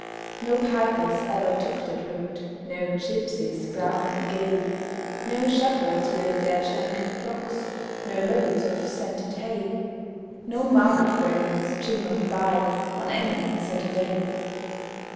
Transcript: No pipers ever took that road, No gipsies, brown and gay; No shepherds with their gentle flocks, No loads of scented hay; No market waggons jingled by On any Saturday.